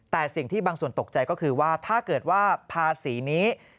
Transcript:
แต่สิ่งที่บางส่วนตกใจก็คือว่าถ้าเกิดว่าภาษีนี้